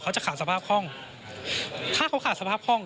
จะขาดสภาพห้องถ้าเขาขาดสภาพห้อง